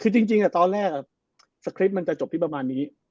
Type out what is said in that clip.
จริงเดียวกันตอนแรกสปริปมันจะจบที่ประมาณนี้